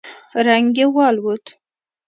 رنگ يې والوت.